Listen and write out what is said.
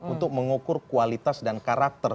untuk mengukur kualitas dan karakter